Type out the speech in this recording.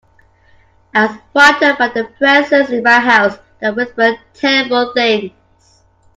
I was frightened by a presence in my house that whispered terrible things.